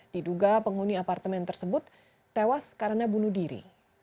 diduga penghuni apartemen tersebut tewas karena bunuh diri